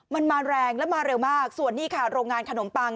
มันมาแรงและมาเร็วมากส่วนนี้ค่ะโรงงานขนมปัง